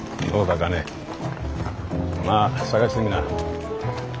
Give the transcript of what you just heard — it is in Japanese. まあ探してみな。